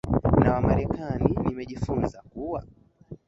na wamarekani nimejifunza kuwa